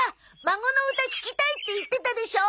孫の歌聴きたいって言ってたでしょ？